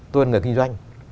tôi là người kinh doanh